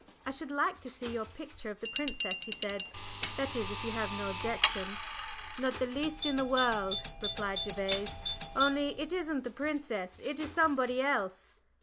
"I should like to see your picture of the Princess," he said, "that is if you have no objection." "Not the least in the world," replied Gervase, "only it isn't the Princess, it is somebody else."